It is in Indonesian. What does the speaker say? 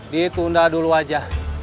ditunda dulu aja